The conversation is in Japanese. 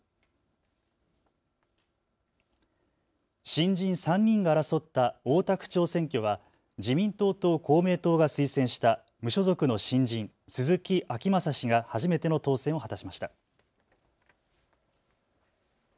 新人３人が争った大田区長選挙は自民党と公明党が推薦した無所属の新人、鈴木晶雅氏が初めての当選を果たしました。